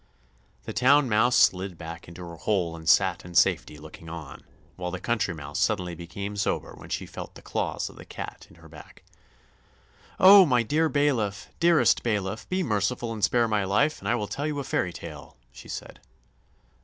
The Town Mouse slid back into her hole and sat in safety looking on, while the Country Mouse suddenly became sober when she felt the claws of the cat in her back. "Oh, my dear bailiff, oh, dearest bailiff, be merciful and spare my life and I will tell you a fairy tale," she said.